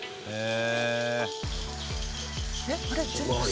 えっ？